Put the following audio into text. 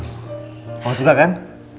kamu suka kan